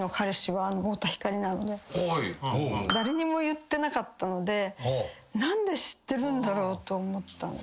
誰にも言ってなかったので何で知ってるんだろうと思った。